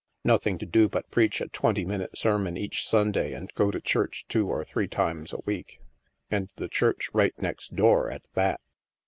Nothing to do but preach a twenty minute sermon each Simday and go to church two or three times a week. And the church right next door, at that